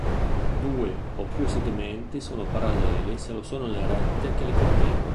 Due o più segmenti sono paralleli se lo sono le rette che li contengono.